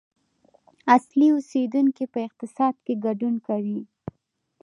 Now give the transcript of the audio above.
اصلي اوسیدونکي په اقتصاد کې ګډون کوي.